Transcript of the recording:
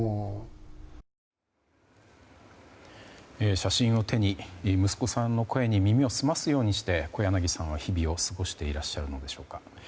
写真を手に息子さんの声に耳を澄ますようにして小柳さんは日々を過ごしていらっしゃるんでしょうか。